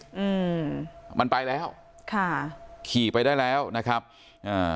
อืมมันไปแล้วค่ะขี่ไปได้แล้วนะครับอ่า